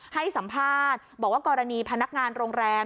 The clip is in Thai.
ให้สัมภาษณ์บอกว่ากรณีพนักงานโรงแรม